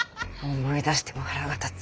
思い出しても腹が立つ。